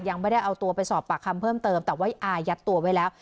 ยังไม่ได้เอาตัวไปสอบปากคำเพิ่มเติมแต่ว่าอายัดตัวไว้แล้ว